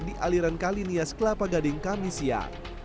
di kalinias kelapa gading kamisian